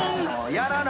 やらな。